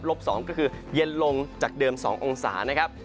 ๒ก็คือเย็นลงจากเดิม๒องศานะครับ